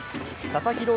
佐々木朗